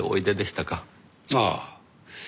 ああ。